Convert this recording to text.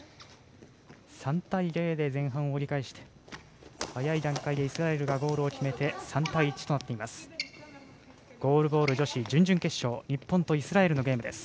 ３対０で前半折り返して早い段階でイスラエルがゴールを決めて３対１となっています。